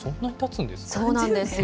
そうなんですよ。